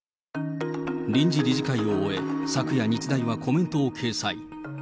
臨時理事会を終え、昨夜、日大はコメントを掲載。